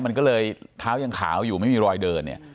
มันก็เลยเท้ายังขาวอยู่ไม่มีรอยเดินเนี่ย